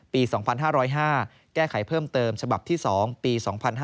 ๒๕๐๕แก้ไขเพิ่มเติมฉบับที่๒ปี๒๕๕๙